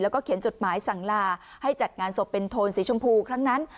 แล้วก็เขียนจดหมายสั่งลาให้จัดงานศพเป็นโทนสีชมพูครั้งนั้น